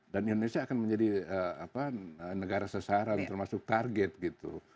dan indonesia akan menjadi negara sasaran termasuk target gitu